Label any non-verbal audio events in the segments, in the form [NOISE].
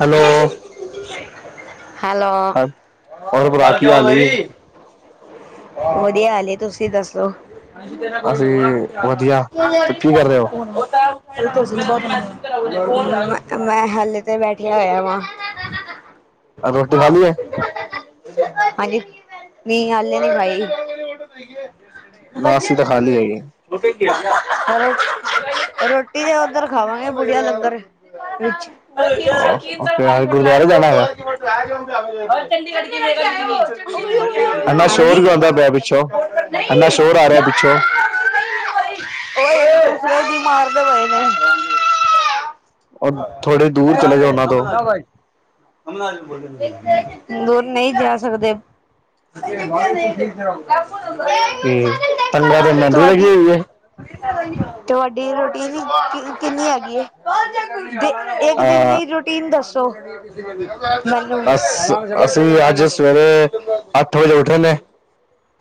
Hello. Hello. ਹੋਰ ਭਰਾ ਕੀ ਹਾਲ ਈ ਵਧੀਆ ਹਾਲ ਏ, ਤੁਸੀਂ ਦੱਸੋ? ਕੋਣ ਅਸੀਂ ਵਧੀਆ ਏ? ਤੇ ਕੀ ਕਰ ਰਹੇ ਹੋ [UNINTELLIGIBLE] ਮੈਂ ਹਾਲੇ ਤੇ ਬੈਠਿਆ ਹੋਯਾ ਵਾ। [UNINTELLIGIBLE] ਰੋਟੀ ਖਾਲੀ ਐ? ਹਾਂਜੀ, ਨੀ ਹਾਲੇ ਨੀ ਖਾਈ। ਨਾ ਅਸੀਂ ਤਾਂ ਖਾ ਲਈ ਹੈਗੀ [UNINTELLIGIBLE] ਰੋਟੀ ਤੇ ਔਧਰ ਖਾਵਾਂਗੇ ਬੁੜੀਆ ਲੰਗਰ, ਵਿੱਚ। ਤੀਨ ਚਾਰ ਓਕੇ ਪਾਣੀਟ ਹੈ ਗੁਰਦੁਆਰੇ ਜਾਣਾ ਹੈਗਾ [UNINTELLIGIBLE] ਚੰਡੀਗੜ੍ਹ [UNINTELLIGIBLE] ਇੰਨਾ ਸ਼ੋਰ ਕਿਉਂ ਆਉਂਦਾ ਹਾਂਜੀ। ਪਿਆ ਪਿੱਛੋਂ ਉਹ ਇੰਨਾ ਸ਼ੋਰ ਆ ਰਿਹਾ ਪਿੱਛੋਂ ਜ ਮਾਰਦੇ ਪਏ ਨੇ [UNINTELLIGIBLE] ਥੋੜੇ ਦੂਰ ਚਲੇ ਜਾਓ ਉਹਨਾਂ ਤੋਂ ਨਮਮਨਾ [UNINTELLIGIBLE] ਦੂਰ ਨਹੀਂ ਜਾ ਸਕਦੇ ਇਹ ਤਗਾ ਤੇ ਮੰਡੀ ਲਗੀ ਤੁਹਾਡੀ ਹੋਈ ਹੈ [UNINTELLIGIBLE] ਤੁਹਾਡੀ ਰੋਟੀ ਕਿੰਨੀ ਹੈਗੀ ਇਹ [UNINTELLIGIBLE] ਦੇ ਇੱਕ ਦਿਨ ਦੀ ਅਹ ਰੂਟੀਨ ਦੱਸੱਸੋ [UNINTELLIGIBLE] ਅਸ ਅਸੀਂ ਅੱਜ ਸਵੇਰੇ ਅੱਠ ਵਜੇ ਉੱਠੇ ਨੇ [UNINTELLIGIBLE]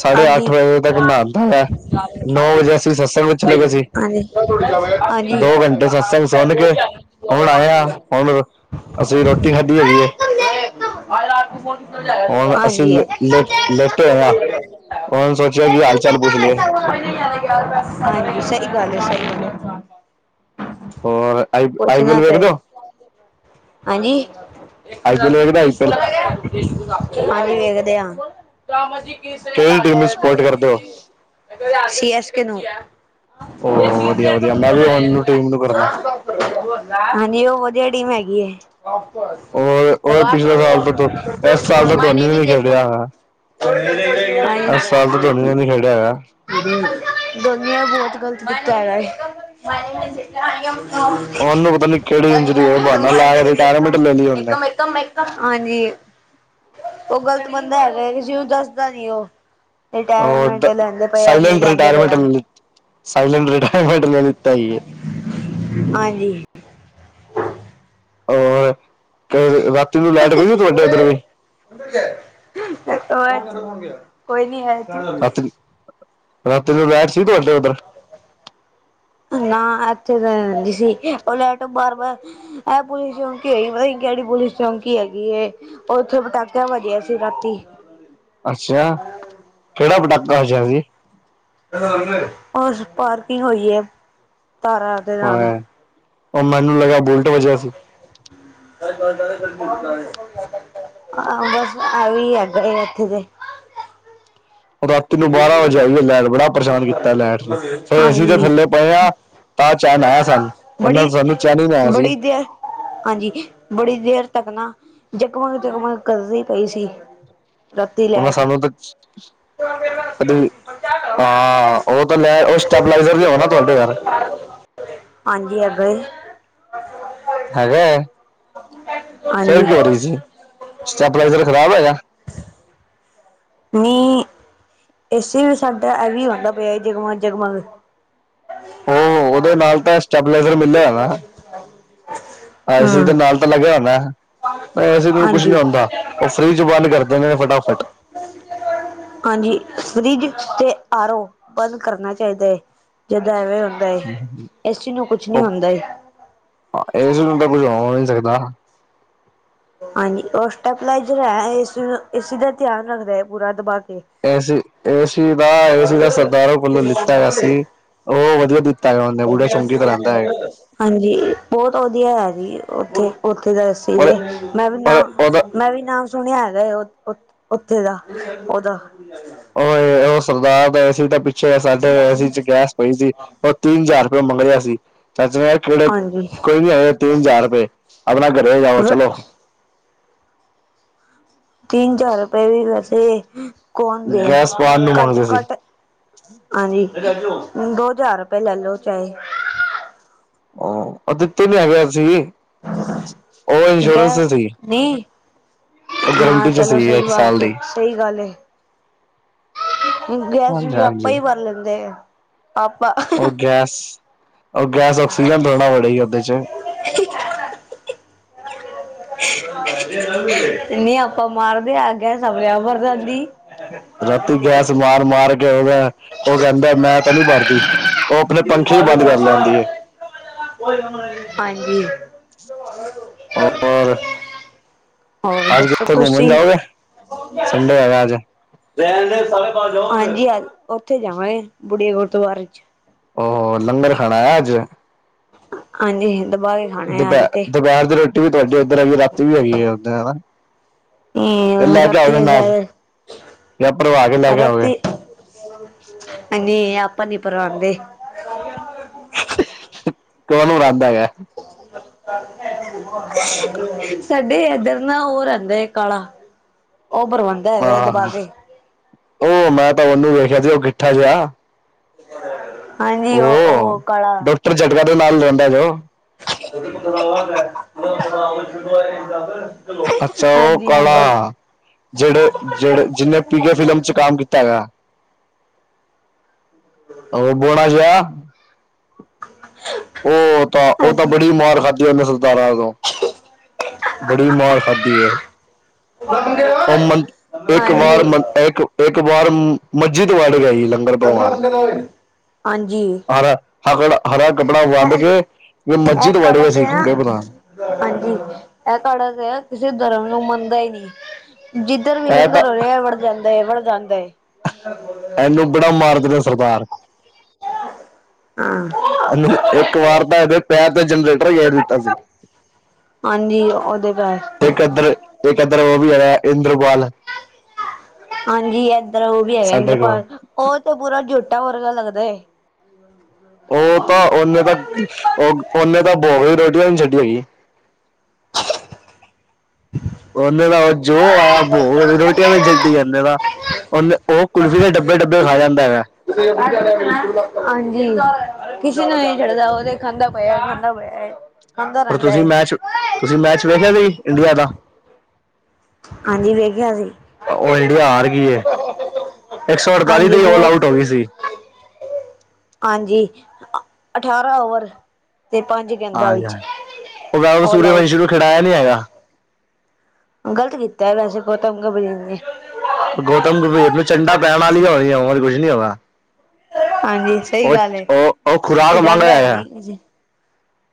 ਸਾਢੇ ਅੱਠ ਹਾਂਜੀ। ਵਜੇ ਤੱਕ ਨਹਾਤਾ ਹੈ ਅਜੀ ਨੌ ਵਜੇ ਅਸੀਂ ਸਤਸੰਗ ਵਿੱਚ ਚਲੇ ਗਏ ਸੀ ਦੋ ਘੰਟੇ ਸਤਸੰਗ ਸੁਣ ਕੇ [INAUDIBLE] ਹੁਣ ਆਇਆ, ਹੁਣ ਅਸੀਂ ਰੋਟੀ ਖਾਧੀ। ਕੀ ਹੈਗੀ ਹੈ [INAUDIBLE] ਹਾਂਜੀ ਅਸੀਂ ਹਾਂਜੀ ਲ- ਲੇਟ ਲੇਟੇ ਹੋਏ ਆ ਹੁਣ ਸੋਚਿਆ ਕਿ ਹਾਲ [UNINTELLIGIBLE] ੂੰ [UNINTELLIGIBLE] ਚਾਲ ਪੁੱਛ ਲਈਏ ਗੱਲ ਸ [UNINTELLIGIBLE] ਔਰ ਪੁੱਛਣਾ ਆਈਪੀਐਲ ਵੇਖਦੇ ਚਾਹੀਦਾ, ਹੋ ਹਾਂਜੀ ਹ ਆਈਪੀਐਲ ਵੇਖਦੇ ਹੀ ਆਈਪੀਐਲ ਵੇਖਦੇ ਆ [UNINTELLIGIBLE] ਜ ਕੀਸੀ [UNINTELLIGIBLE] ਕਿਹੜੀ ਟੀਮ ਪਰ ਨੂੰ ਸਪੋਰਟ ਕਰਦੇ ਹੋ ਓਹ ਵਧੀਆ ਵਧੀਆ ਮੈਂ ਵੀ ਹੁਣ ਨੂੰ ਟੀਮ ਨੂੰ ਕਰਨਾ ਬ [UNINTELLIGIBLE] ਵਧੀਆ ਡੀਮ ਹੈਗੀ ਐ। ਔਰ ਔਰ ਦਗਾ ਪਿਛਲੇ ਸਾਲ ਤੋਂ ਤੋਂ ਇਸ ਸਾਲ ਤਾਂ ਧੋਨੀ ਟੀਮਮਏ ਨੇ ਨਮੀ ਨਹੀਂ ਖੇਡਿਆ ਇੱਕਮ ਹੈਗਾ [UNINTELLIGIBLE] ਇਸ ਸਾਲ ਤਾਂ ਧੋਨੀ ਨੇ ਨਹੀਂ ਖੇਡਿਆ ਹੈਗਾ ਗਲੀਆਂ ਬਹੁਤ ਗਲਤੀ [UNINTELLIGIBLE] ਏ ਉਹਨੂੰ ਪਤਾ ਨਹੀਂ ਕਿਹੜੀ ਇੰਜਰੀ ਹੋਈ ਬਹਾਨਾ ਲਾ [UNINTELLIGIBLE] [UNINTELLIGIBLE] ਰਿਟਾਇਰਮੈਂਟ ਲੈ ਲਈ ਉਹਨੇ ਇੱਕਮਮ ਹਾਂਜੀ [UNINTELLIGIBLE] ਉਹ ਗ਼ਲਤ ਬੰਦਾ ਹੈਗਾ, ਕਿਸਸੀ ਉਹਨੂੰ ਦੱਸਦਾ ਨੀ ਉਹ ਔਰ ਰਿਟਾਇਰਮੈਂਟ ਲੈਂਦੇ ਪਿਆ, ਨੀ ਲੈਂਦੇ ਪਿਆ ਸਾਈਲੈਂਟ ਰਿਟਾਇਰਮਟਤਾ, ਏ ਹਾਂਜੀ। ਰ ਰਾਤੀ ਨੂੰ ਲਾਈਟ ਪਈ ਸੀ ਤੁਹਾਡੇ ਉੱਧਰ ਵੀ [UNINTELLIGIBLE] ਹੋ ਕੋਈ ਨੀ ਹੈ [UNINTELLIGIBLE] ਰਾਤੀ ਰਾਤੀ ਤੋਂ ਲੈਟ ਸੀ, ਤਾਡੇ ਉੱਧਰ? ਨਾ ਇੱਥੇ ਤਾਂ ਰਹਿੰਦੀ ਸੀ। ਉਹ ਲੈਟ ਬਾਰ-ਬਾਰ ਇਹ ਪੁਲਿਸ ਚੋਕੀ ਹੈਗੀ ਪਤਾ ਕਿਹੜੀ ਪੁਲਿਸ ਚੋਕੀ ਹੈਗੀ। ਉਹ ਉੱਥੇ ਪਟਾਕਿਆਂ ਵਜਿਆ ਸੀ ਰਾਤੀ। ਅੱਛਾ। ਕਿਹੜਾ ਪਟਾਕਾ ਵਜਿਆ ਸੀ। ਹੋਰ ਪਾਰਕਿੰਗ ਹੋਈ ਹੈ। ਤਾਰਾਂ ਦੇ ਨਾਲ ਓਏ ਉਹ ਮੈਨੂੰ ਲੱਗਿਆ, ਬੋਲਟ ਵਜਿਆ ਸੀ। [UNINTELLIGIBLE] ਆਹ ਬਸ, ਆਈ ਹੈਗਾ ਇੱਥੇ ਤੇ। ਰਾਤੀ ਨੂੰ ਬਾਰਾਂ ਵਜੇ ਆਈ ਲੈਂਟ। ਬੜਾ ਪਰੇਸ਼ਾਨ ਕੀਤਾ ਲੈਂਟਸ ਨੂੰ, ਫਿਰ ਏਸੀ ਦੇ ਹਾਂਜੀ ਥੱਲੇ ਪਏ ਆ। ਤਾਹ ਚੈਣ ਆਇਆ ਸਾਨੂੰ। ਵਰਨਾਂ ਬੜੀ ਸਾਨੂੰ ਚੈਨ ਨੀ ਆਇਆ ਸੀ। ਬੜੀ ਦੇਰ ਹਾਂਜੀ। ਬੜੀ ਦੇਰ ਤੱਕ ਨਾ, ਜਗਮਗ-ਜਗਮਗ ਕਰਦੀ ਪਈ ਸੀ। ਰਾਤੀ ਉਹਨੇ ਲੈਟ ਸਾਨੂੰ ਤੇ ਅੱਧੀ ਹਾਂ। ਉਹ ਤਾਂ ਲੈ, ਉਹ ਸਟੈਬਲਾਈਜ਼ਰ ਹੋਣਾ ਤੁਹਾਡੇ ਘਰ ਹਾਂਜੀ। ਅਗਰ ਹੈਗਾ ਐ। ਫੇਰ ਹਾਂਜੀ ਕਿ ਹੋ ਰਹੀ ਸੀ। ਸਟੈਪਲਾਈਜ਼ਰ ਖ਼ਰਾਬ ਹੈਗਾ? ਨਹੀਂ, ਏਸੀ ਵੀ ਸਾਡਾ ਇਹ ਹੀ ਹੁੰਦਾ ਪਿਆ। ਜਗਮਾ-ਜਗਮਗ ਉਹ ਉਹਦੇ ਨਾਲ ਤਾਂ ਸਟੈਬਲਾਈਜ਼ਰ [INAUDIBLE] ਆਈ ਸੂ ਦੇ ਹੂੰ ਨਾਲ ਤਾਂ ਲੱਗਿਆ ਹੋਦਾ ਐ। ਏਸੀ ਨੂੰ ਕੁਝ ਨੀ ਹਾਂਜੀ। ਹੁੰਦਾ, ਉਹ ਫਰਿਜ ਬੰਦ ਕਰਦੇ ਨੇ ਫਟਾਫਟ। ਹਾਂਜੀ। ਫਰਿੱਜ, ਤੇ ਆਰ-ਰੋ ਬੰਦ ਕਰਨਾ ਚਾਈਦਾ ਏ, ਜਦ ਐਵੇਂ ਹੁੰਦਾ ਏ ਏਸੀ ਨੂੰ ਕੁਛ ਨੀ ਹੁੰਦਾ ਏ। ਏਸੀ ਨੂ ਤਾਂ। ਕੁਝ ਹੋ ਨਈ ਸਕ ਦਾ। ਹਾਂਜੀ, ਔ ਸਟੈਪਲਾਈਜਰ ਹੈ। ਏਸੀ- ਏਸੀ ਦਾ ਤਿਆਨ ਰੱਖਦਾ ਏ, ਪੂਰਾ ਦਬਾ ਕੇ। ਏਸ- ਏਸੀ ਦਾ, ਹਾਂਜੀ ਏਸੀ ਸਰਦਾਰਾਂ ਕੋਲੋਂ ਲਿੱਤਾ ਹੋਈਆ ਸੀ। ਔ ਵਧੀਆ ਦਿੱ ਹਾਂਜੀ, ਬੋਤ ਵਧੀਆ ਹੈ ਜੀ। ਉੱਥੇ ਪੰਦਰਾਂ ਅਸੀਂ ਪਰ ਗੇ। ਮੈਂ ਵੀ ਨਾਂ ਪਰ ਉਹਦਾ ਮੈਂ ਵੀ ਨਾ ਸੁਣਿਆ ਹੈਗਾ, ਓਥ- ਉੱਥੇ ਦਾ। ਓਦਾ ਔਏ-ਔ ਸਰਦਾਰ ਦਾ ਏਸੀ ਦੇ ਪਿੱਛੇ, ਸਾਡੇ ਏਸੀ ਚ ਗੈਸ ਪਈ ਸੀ। ਉਹ ਤਿੰਨ ਹਜਾਰ ਓ ਮੰਗ ਰਿਹਾ ਸੀ। ਚਾਚੇ ਨੇ ਕਿਹੜੇ ਹਾਂਜੀ। ਕੋਈ ਨੀ ਹੈਗੇ, ਤਿੰਨ ਹਜ਼ਾਰ ਰਪਏ ਅਪਣਾ ਘਰੇ ਜਾਓ, ਚਲੋ। ਤਿੰਨ ਹਜ਼ਾਰ ਰਪੇ ਵੀ, ਵੈਸੇ ਕੌਨ ਦੇ, ਗੈਸ ਪਾਉਣ ਨੂੰ ਘੱਟ ਤੋ ਮੰਗਦੇ ਸੀ ਘੱਟ ਹਾਂਜੀ। ਦੋ ਹਜ਼ਾਰ ਰਪੇ ਲੈਲੋ, ਚਾਹੇ। ਔ ਦਿੱਤੇ ਵੀ ਹੈਗੇ, ਅਸੀ‌ ਵੀ। ਔ ਇੰਸ਼ੋਰਂਸ ਚ ਸੀ। ਔ ਗਰੰਟੀ ਚ ਸੀ, ਇੱਕ ਸਾਲ ਦੀ ਗੈਸ ਹਾਂਜੀ ਵੀ ਹਾਂਜੀ ਆਪਾਂ ਈ ਵਰ ਲੈਂਦੇ ਐ। ਆਪਾਂ ਔ ਗੈਸ ਔਕਸੀਜਨ ਥੋੜਾ ਵਣੇਗੀ। ਉੱਦੇ ਚ ਨੀ, ਆਪਾਂ ਮਾਰਦੇ ਆਂ। ਗੈਸ ਆਪੇ ਆਪ ਭਰ ਜਾਂਦੀ। ਰਾਤੀ ਗੈਸ ਮਾਰ-ਮਾਰ ਕੇ ਉਦਾ, ਔ ਕੈਂਦਾ ਮੈਂ ਤੇਨੂੰ ਈ ਮਾਰਦੀ। ਔ ਆਪਣੇ ਪੰਖੇ ਵੀ ਬੰਦ ਕਰ ਲੈਂਦੀ ਏ। ਹਾਂਜੀ। ਹੋਰ [INAUDIBLE] ਹੋਰ ਅੱਜ ਜ ਦੱਸੋ ਕਿੱਥੇ ਘੁੰਮਣ ਤੁਸੀਂ ਜਾਓਗੇ? ਸੰਡੇ ਹੈਗਾ ਅੱਜ। ਹਾਂਜੀ ਹਾਂਜੀ। ਉੱਥੇ ਜਾਵਾਂ ਗੇ, ਬੁਣੀ ਗੁਰਦੁਆਰੇ। ਔ, ਲੰਗਰ ਖਾਣਾ ਐ ਅੱਜ। ਹਾਂਜੀ। ਹਿਨ ਦਮ ਦੁਪੈ-ਦੁਪੈਰ ਦੀ ਰੋਟੀ ਵੀ ਤੁਆਡੀ ਔਧਰ ਹੈਗੀ, ਰਾਤੀ ਵੀ ਹੈਗੀ ਹੈ, ਔਥੇ ਹਨਾ। ਹੂੰ ਲੈ ਕੇ ਰਾਤੀ। ਆਓਗੇ ਅ ਨਾਲ ਜਾਂ ਭਰਵਾ ਕੇ ਲੈ ਕੇ ਆਓਗੇ ਰਾਤੀ ਹਾਂਜੀ। ਪਾ ਨੀ ਪਰਾਂਦੇ। ਨੂੰ ਰਾਦ ਹੈਗਾ। ਸਾਡੇ ਏਧਰ ਨਾ, ਔ ਰੈੰਦਾ ੲ ਕਾਲਾ। [INAUDIBLE] [INAUDIBLE] ਔ ਬਰਵੰਦਾ ਹੈਗਾ, ਦਬਾ ਕੇ। ਔ, ਮੈਂ ਤਾਂ ਔਨੂੰ ਵੇਖਆ ਸੀ ਉਹ ਗਿਠਾ ਜਆ। ਹਾਂਜੀ, ਔ, ਔ ਕਾਲਾ। [INAUDIBLE] ਡਾਕਟਰ ਜਟਕਾ ਦੇ ਨਾਲ ਰਹਿੰਦਾ ਜੋ [INAUDIBLE] ਅੱਛਾ ਔ ਹਾਂਜੀ ਹਾਂਜੀ ਕਾਲਾ। ਜੇੜੇ ਜੇੜੇ, ਜਿਨੇ ਪੀਕੇ ਫਿਲਮ ਚ ਕੰਮ ਕੀਤਾ ਹੈਗਾ। ਔ ਬੋਣਾ ਜ਼ਾ। ਔ ਤਾਂ, ਔ ਤਾਂ ਹਾਂਜੀ ਬੜੀ ਮਾਰ ਖਾਧੀ ਔਨੇ। ਦਾਰਾ ਤੋਂ ਬੜੀ ਮਾਰ ਖਾਧੀ ਏ। ਔ ਏਕ ਹਾਂਜੀ ਵਾਰ ਏਕ ਵਾਰ ਮਜਿਦ ਵਾਲੇ। ਲੰਗਰ ਪ੍ਰਵਾਨ ਹਾਂਜੀ ਹਰਾ ਅਗਰ ਹਰਾ ਕੱਪੜਾ ਵੰਡ ਕੇ। ਵੀ ਇਹ ਮਸਜਿਦ ਵੜ ਕੜਾ ਗਏ ਤੇ ਸੀ ਆ ਕਿਹੜੇ ਪਤਾ ਹਾਂਜੀ ਇਹ ਕੜਾ ਤੇ ਹੈ ਕਿਸੇ ਧਰਮ। ਮੰਨਦਾ ਹੀ ਨੀ ਜਿੱਧਰ ਵੀ ਐ ਤਾਂ ਲੰਗਰ ਹੋ ਰਿਹਾ ਵੜ ਜਾਂਦਾ ਵੜ ਜਾਂਦਾ। ਇਹਨੂੰ ਬੜਾ ਮਾਰਦੇ ਨੇ ਸਰਦਾਰ। ਹਾਂ ਇਹਨੂੰ ਇੱਕ ਵਾਰਤਾ ਇਹਦੇ ਪੈਰ ਤੇ ਜਨਰੇਟਰ ਗੇਰ ਦਿੱਤਾ ਸੀ। ਹਾਂਜੀ ਉਹਦੇ ਪੈਰ ਇੱਕ ਇੱਧਰ ਇੱਕ ਇੱਧਰ ਉਹ ਵੀ ਆਇਆ ਇੰਦਰਬਾਲ। ਹਾਂਜੀ ਏਧਰ ਉਹ ਵੀ ਹੈਗਾ ਕੋਲ ਇੰਦਰਪਾਲ ਉਹ ਤੇ ਪੂਰਾ ਜੁੱ। ਟਾ ਵਰਗਾ ਲੱਗਦਾ ਏ। ਉਹ ਤਾਂ ਓਨੇ ਤਾਂ ਓਨੇ ਤਾਂ ਬੋਈ ਰੋਟੀ ਨਹੀਂ ਛੱਡੀ ਹੈਗੀ। [INAUDIBLE] [INAUDIBLE] ਉਹਨੇ ਦਾ ਉਹ ਜੋ ਆਇਆ ਭੋਗ ਦੀ ਰੋਟੀਆਂ ਵੀ ਛੱਡੀ ਨੇ ਦਾ। ਉਹਨੇ ਉਹ ਕੁਲਫੀ ਦੇ ਡੱਬੇ ਡੱਬੇ ਖਾ ਜਾਂਦਾ ਹੈਗਾ ਐ। ਹਾਂਜੀ ਕਿਸੇ ਨੂੰ ਇਹ ਚੜਦਾ ਉਹ ਤੇ ਖਾਂਦਾ ਪਿਆ ਖਾਂਦਾ ਪਿਆ ਹੈ। ਪਰ ਤੁਸੀਂ ਮੈਚ ਤੁਸੀਂ ਮੈਚ ਵੇਖਿਆ ਵੀ ਇੰਡੀਆ ਦਾ। ਹਾਂਜੀ ਵੇਖਿਆ ਸੀ। ਉਹ ਇੰਡੀਆ ਹਾਰ ਗਈ ਹੈ ਹਾਂਜੀ ਤੇ ਆਲ ਬਹੁਤ। ਆਊਟ ਹੋ ਗਈ ਸੀ ਹਾਂਜੀ ਅਠਾਰਾਂ ਓਵਰ। ਤੇ ਪੰਜ ਗੇਦਾਂ ਹਾਂ ਵਿੱਚ ਯਾਰ ਉਹ ਵੈਭਵ ਆਲ ਆਊਟ। ਸੂਰਯਵੰਸ਼ੀ ਨੂੰ ਖਿਡਾਇਆ ਨਹੀਂ ਹੈਗਾ ਗ਼ਲਤ ਕੀਤਾ ਵੈਸੇ ਗੌਤਮ ਗੰਭੀਰ ਨੇ। ਗੌਤਮ ਗੰਭੀਰ ਨੂੰ ਚੰਡਾ ਪੈਣ ਵਾਲੀਆਂ ਹੋਰ ਕੁਛ ਨੀ ਹੈਗਾ। ਹਾਂਜੀ ਸਹੀ ਉਹ ਗੱਲ ਏ। ਉਹ ਉਹ ਖੁਰਾਕ ਮੰਗ ਰਿਹਾ ਖਿਡਾਂਡਾ ਹੈਗਾ ਹੈ। ਨੀ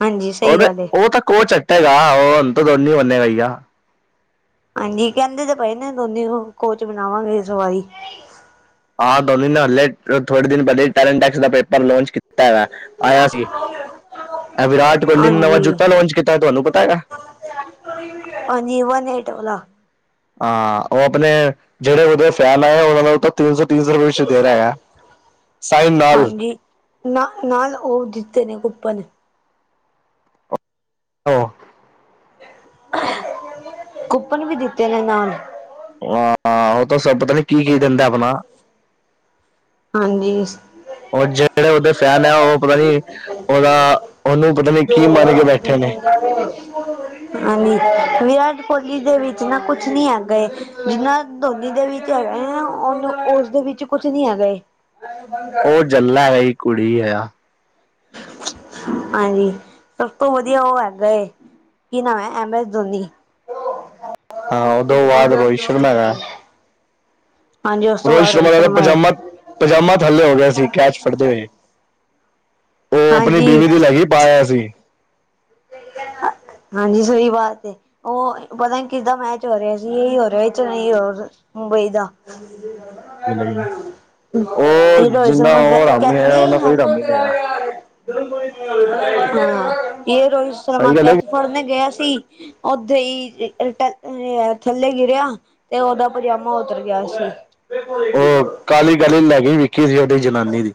ਹਾਂਜੀ ਉਹ ਸਹੀ ਤੇ ਗੱਲ ਏ। ਉਹ ਤਾਂ ਕੋ ਚੱਟੇਗਾ ਉਹ ਹੂਣ ਤਾਂ ਦੋਨ ਮੰੰਨੇ ਗਾਈਆ। ਹਾਂਜੀ ਕਹਿੰਦੇ ਤੇ ਪਏ ਨੇ ਦੋਨੇ ਕੋਚ ਬਣਾਵਾਂਗੇ ਇਸ ਵਾਰੀ। ਹਾਂ ਦੋਨੀ ਨੇ ਹਲੇ ਥੋੜੇ ਦਿਨ ਪਹਿਲੇ ਟੈਲੇਂਟ ਟੈਕਸ ਦਾ ਪੇਪਰ ਲਾਂਚ ਕੀਤਾ ਹੈਗਾ ਐ। ਆਇਆ ਸੀ ਇਹ ਵਿਰਾਟ ਕੋਹਲੀ ਨੇ ਨਵਾਂ ਹਾਂਜੀ। ਜੁੱਤਾ ਲਾਂਚ ਕੀਤਾ ਤੁਹਾਨੂੰ ਪਤਾ ਹੈਗਾ। ਹਾਂਜੀ ਵਨ ਏਟ ਵਲਾ। ਹਾਂ ਉਹ ਆਪਣੇ ਜਿਹੜੇ ਉਹਦੇ ਫੈਨ ਆਏ ਉਹਨਾਂ ਦਾ ਤਾਂ ਤਿੰਨ ਸੌ ਤਿੰਨ ਸੌ ਰੁਪਏ ਵਿੱਚ ਦੇ ਰਿਹਾ ਹੈਗਾ ਹੈ। ਹਾਂਜੀ ਨਾ ਨਾਲ ਉਹ ਜਿੱਤੇ ਨੇ ਕੁੁਪਨ। ਆਹ। ਕੂਪਨ ਵੀ ਦਿੱਤੇ ਨੇ ਨਾਲ। ਆਹ ਉਹ ਤਾਂ ਸਭ ਪਤਾ ਨੀ ਕੀ ਕੀ ਦਿੰਦਾ ਆਪਣਾ। ਹਾਂਜੀ। ਉਹ ਜਿਹੜੇ ਉਹਦੇ ਫੈਨ ਹੈ ਉਹ ਪਤਾ ਨੀ ਉਹਦਾ ਉਹਨੂੰ ਪਤਾ ਨੀ ਕੀ ਮੰਨ ਕੇ ਬੈਠੇ ਨੇ। ਹਾਂ ਜੀ ਵਿਰਾਟ। ਕੋਹਲੀ ਦੇ ਵਿੱਚ ਨਾ ਕੁਛ ਨੀ ਹੈਗਾ, ਏ ਜਿੰਨਾ ਧੋਨੀ ਦੇ ਵਿੱਚ ਹੈਗਾ ਏ ਨਾ ਉਹਨੂੰ ਉਸ ਦੇ ਵਿੱਚ ਕੁਛ ਨੀ ਹੈਗਾ ਏ, ਉਹ ਜਲਾ ਆਈ ਕੁੜੀ ਆ, ਹਾਂਜੀ, ਸਭ ਤੋਂ ਵਧੀਆ ਉਹ ਹੈਗਾ ਏ। ਕੀ ਨਾਮ ਹੈ ਐਮ ਐਸ ਧੋਨੀ, ਹਾਂ ਉਹਦੋਂ ਬਾਅਦ ਰੋਹਿਤ ਸ਼ਰਮਾ ਹੈਗਾ ਏ। ਹਾਂਜੀ ਉਸ ਤੋਂ ਰੋਹਿਤ ਬਾਅਦ ਸ਼ਰਮਾ ਦਾ ਤਾਂ ਏ ਪਜਾਮਾ ਪਜਾਮਾ ਥੱਲੇ ਹੋ ਗਿਆ ਸੀ, ਕੈਚ ਫੜਦੇ ਹੋਏ। ਉਹ ਆਪਣੀ ਹਾਂਜੀ ਬੀਵੀ ਦੀ ਲੈਗੀ ਪਾ ਆਯਾ ਸੀ। ਹਾਂਜੀ, ਸਹੀ ਬਾਤ ਏ ਉਹ ਪਤਾ ਕਿੱਦਾਂ ਮੈਚ ਹੋ ਰਿਹਾ ਸੀ, ਇਹੀ ਹੋ ਰਿਹਾ ਨਹੀਂ ਹੋ। ਮੁੰਬਈ ਦਾ, [INAUDIBLE] ਉਹ ਇਹ [UNINTELLIGIBLE] ਹਾਂ ਜਿੰਨਾ ਉਹ ਰਾਮੀ ਆਇਆ ਉਹਨਾਂ ਕੋਈ ਰਾਮੀ ਨਹੀਂ ਆਇਆ ਇਹ ਰੋਹਿਤ ਸ਼ਰਮਾ ਸਹੀ ਗੱਲ ਹੈ ਕੈਚ ਫੜਨ ਗਿਆ ਸੀ। ਓਥੇ ਹੀ ਥੱਲੇ ਗਿਰਿਆ ਤੇ ਓਦਾ ਪਜਾਮਾ ਉਤਰ ਗਿਆ ਸੀ। ਪੇ ਕੋਡ [UNINTELLIGIBLE] ਇਹ ਵਿਖੀ ਸੀ [UNINTELLIGIBLE] ਜਨਾਨੀ ਦੀ,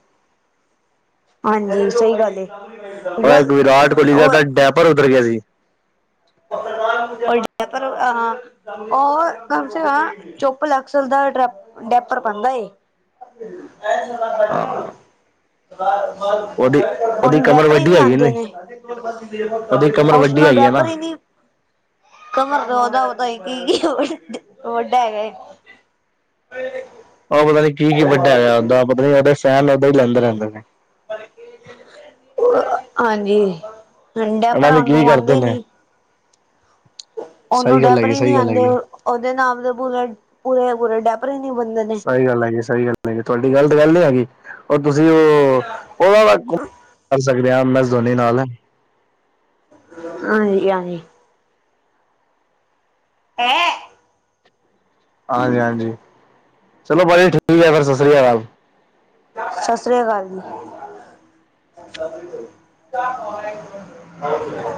ਹਾਂਜੀ-ਹਾਂਜੀ, ਸਹੀ ਗੱਲ ਹੈ ਉਹ ਇੱਕ ਗੱਲ ਵਿਰਾਟ ਕੋਹਲੀ ਦਾ ਉਹ ਹੈ। ਤਾਂ ਡੈਪਰ ਉਤਰ ਗਿਆ ਸੀ ਪਰ ਅਹ ਹਾਂ ਉਹ ਕਮ ਸੇ ਕਮ ਚੁੱਪ ਲਕਸਲਦਾ। ਡੈਪਰ ਪਾਦਾ ਐ। ਹਾਂ ਉਹਦੀ ਉਹਦੀ ਹੁਣ ਕਮਰ ਡੈਪਰ ਹੀ ਵੱਡੀ ਨੀ ਹੈਗੀ ਆਦੇ ਨਹੀਂ ਹੋਣੇ, ਉਹਦੀ ਕਮਰ ਵੱਡੀ ਉਸਨੂੰ ਹੈਗੀ ਹੈ ਡੈਪਰ ਨਾ ਹੀ ਨੀ। ਕਮਰ ਦਾ-ਦਾ ਹੀ ਕੀ-ਕੀ ਵੱਡਾ ਹੈਗਾ। ਉਹ ਪਤਾ ਨੀ ਕੀ-ਕੀ ਵੱਡਾ ਹੋਇਆ, ਓਦਾਂ ਪਤਾ ਨਹੀਂ ਲਗਦਾ ਬਈ ਲੰਗਰ ਲਾ ਤਾ ਉਹਨੇ। ਹਾਂਜੀ ਠੰਡਾ ਇਹਨਾਂ ਭਰਾ ਨੇ ਕੀ ਨੂੰ ਕਰਦੇ ਆਦੇ ਨੇ ਨੀ। ਉਹਨੂੰ ਸਹੀ ਗੱਲ ਡੈਪਰ ਹੈਗੀ ਹੀ ਨਹੀਂ ਸਹੀ ਗੱਲ ਆਦੇ ਹੈਗੀ ਉਹਦੇ ਨਾਮ ਦੇ ਪੂਰੇ-ਪੂਰੇ। ਸਹੀ ਗੱਲ ਹੈ ਜੀ ਸਹੀ ਗੱਲ ਹੈ, ਜੀ ਤੁਹਾਡੀ ਗੱਲ ਗੱਲ ਹੀ ਹੈਗੀ। ਉਹ ਤੁਸੀਂ ਉਹ ਉਹ ਦਾ ਕਰ ਸਕਦੇ, ਆ ਮੈਂ ਜੋਨੀ ਨਾਲ ਨਾ। ਹਾਂਜੀ-ਹਾਂਜੀ। ਹੈਂ। ਹਾਂਜੀ-ਹਾਂਜੀ ਚਲੋ ਬਾਈ ਜੀ ਠੀਕ ਹੈ ਫਿਰ ਸਤਿ ਸ੍ਰੀ ਅਕਾਲ। ਸਤਿ ਸ਼੍ਰੀ ਅਕਾਲ ਜੀ। [INAUDIBLE]